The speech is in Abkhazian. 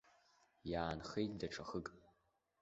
Иаанхеит даҽа хык.